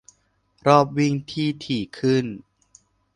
- รอบวิ่งที่ถี่ขึ้น